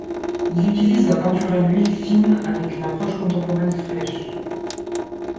Il utilise la peinture à l'huile fine avec une approche contemporaine fraîche.